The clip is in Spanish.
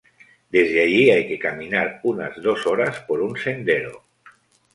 Desde allí hay que caminar unas dos horas por un sendero.